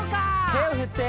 「手を振って」